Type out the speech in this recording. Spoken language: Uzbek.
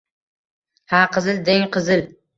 — Ha, Qizil deng, Qizil!